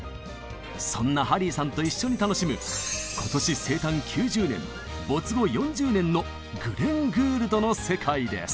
そんなハリーさんと一緒に楽しむ今年生誕９０年没後４０年のグレン・グールドの世界です！